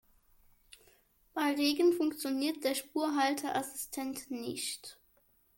Bei Regen funktioniert der Spurhalteassistent nicht.